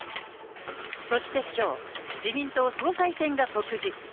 そしてきょう、自民党総裁選が告示。